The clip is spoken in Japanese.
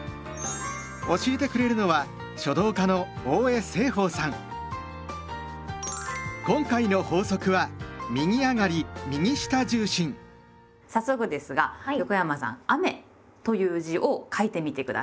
教えてくれるのは今回の法則は早速ですが横山さん「雨」という字を書いてみて下さい。